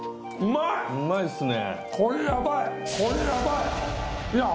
うまいっすね